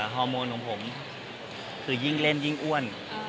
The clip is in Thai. ฮอร์โมนของผมคือยิ่งเล่นยิ่งอ้วน